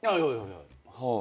はい。